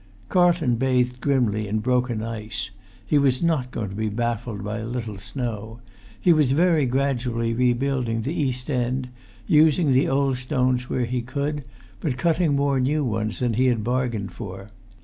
Carlton bathed grimly in broken ice; he was not going to be baffled by a little snow. He was very gradually rebuilding the east end, using the old stones where he could, but cutting more new ones than he had bargained for.